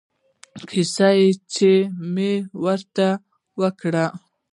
کيسه چې مې ورته وکړه.